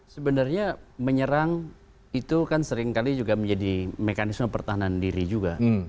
sebenarnya menyerang itu kan seringkali juga menjadi mekanisme pertahanan diri juga